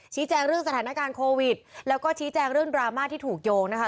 แจ้งเรื่องสถานการณ์โควิดแล้วก็ชี้แจงเรื่องดราม่าที่ถูกโยงนะคะ